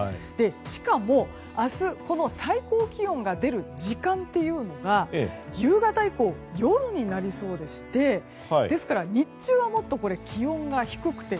しかも明日、この最高気温が出る時間というのが夕方以降、夜になりそうでしてですから日中はもっと気温が低くて